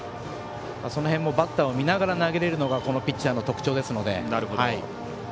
その辺もバッターを見ながら投げられるのがこのピッチャーの特徴ですので。